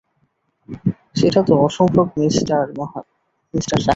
সেটা তো অসম্ভব মিস্টার সাহায়।